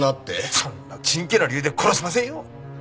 そんなチンケな理由で殺しませんよ。